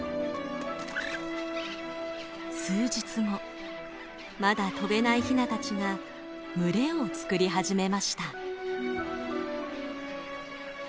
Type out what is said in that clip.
数日後まだ飛べないヒナたちが群れを作り始めました。